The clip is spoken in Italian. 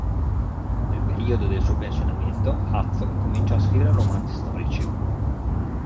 Nel periodo del suo pensionamento Hudson cominciò a scrivere romanzi storici.